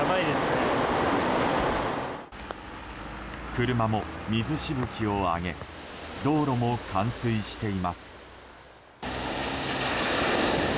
車も水しぶきを上げ道路も冠水しています。